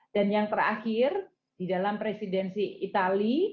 dan yang terakhir di dalam presidensi itali